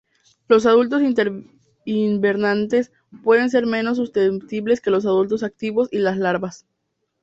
Los adultos invernantes pueden ser menos susceptibles que los adultos activos y las larvas.